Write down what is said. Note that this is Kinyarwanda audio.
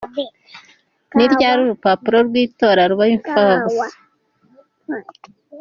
Ni ryari urupapuro rw’itora ruba imfabusa?.